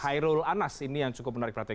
hairul anas ini yang cukup menarik perhatian